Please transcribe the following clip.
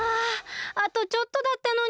ああとちょっとだったのに。